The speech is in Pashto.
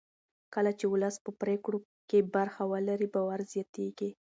کله چې ولس په پرېکړو کې برخه ولري باور زیاتېږي